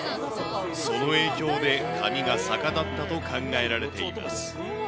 その影響で髪が逆立ったと考えられています。